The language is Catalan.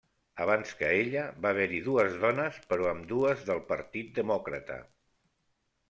Abans que ella va haver-hi dues dones, però ambdues del Partit Demòcrata.